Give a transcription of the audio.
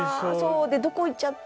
どこいっちゃった？